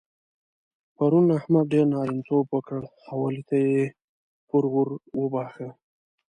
پرون احمد ډېر نارینتوب وکړ او علي ته يې پور ور وباښه.